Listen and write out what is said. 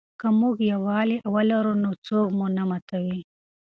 که موږ یووالي ولرو نو څوک مو نه ماتوي.